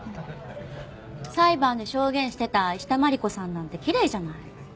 裁判で証言してた石田真理子さんなんてきれいじゃない。